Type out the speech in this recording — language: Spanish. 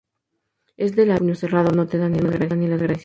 Es de la Virgen del puño cerrado. No te da ni las gracias